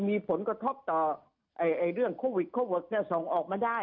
มีผลกระทบต่อเรื่องโควิดโควิดจะส่งออกมาได้